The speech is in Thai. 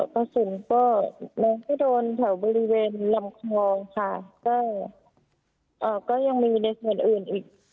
กระสุนก็มันก็โดนแถวบริเวณลำคลองค่ะก็ยังมีในส่วนอื่นอีก